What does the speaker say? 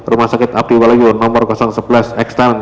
rumah sakit abdi walayu nomor sebelas extlent